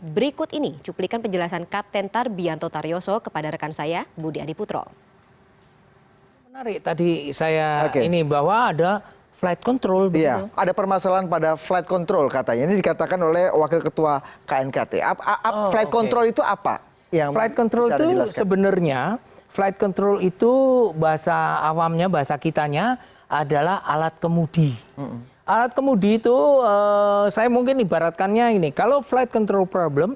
berikut ini cuplikan penjelasan kapten tarbianto tarjoso kepada rekan saya budi adiputro